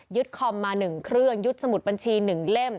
คอมมา๑เครื่องยึดสมุดบัญชี๑เล่ม